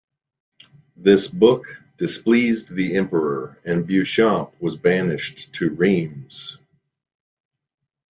This book displeased the Emperor, and Beauchamp was banished to Rheims.